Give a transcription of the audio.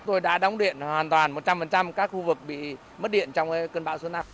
tôi đã đóng điện hoàn toàn một trăm linh các khu vực bị mất điện trong cơn bão số năm